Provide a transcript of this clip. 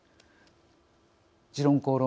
「時論公論」